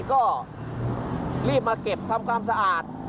ก็รีบมาเก็บทำความสะอาด